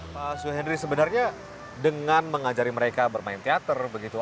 pak suhendri sebenarnya dengan mengajari mereka bermain teater begitu